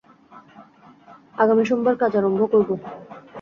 আগামী সোমবার কাজ আরম্ভ করব।